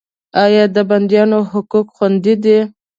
آیا د بندیانو حقوق خوندي دي؟